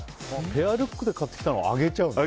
ペアルックで買ってきたのをあげちゃうんだ。